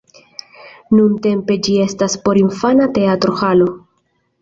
Nuntempe ĝi estas porinfana teatro-halo.